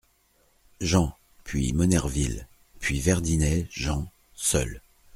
Jean ; puis Monnerville ; puis Verdinet Jean , seul.